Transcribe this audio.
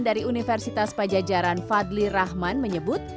dari universitas pajajaran fadli rahman menyebut